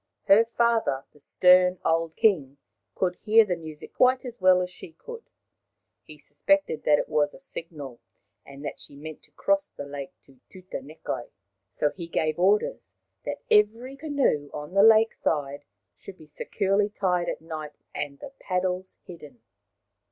Her father, the stern old king, could hear the music quite as well as she could. He suspected that it was a signal, and that she meant to cross the lake to Tutanekai. So he gave orders that every canoe on the lake side should be securely tied at night and the paddles hidden.